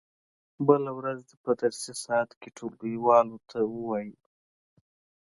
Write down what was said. بله ورځ دې په درسي ساعت کې ټولګیوالو ته و وایي.